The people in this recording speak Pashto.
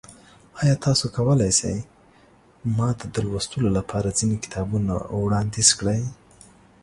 ایا تاسو کولی شئ ما ته د لوستلو لپاره ځینې کتابونه وړاندیز کړئ؟